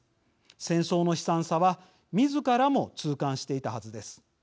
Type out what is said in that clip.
戦争の悲惨さはみずからも痛感していたはずです。